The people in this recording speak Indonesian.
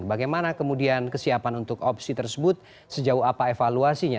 bagaimana kemudian kesiapan untuk opsi tersebut sejauh apa evaluasinya